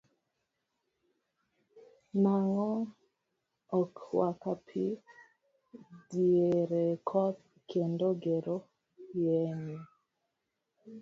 Nang'o ok waka pii diere koth kendo gero yewni.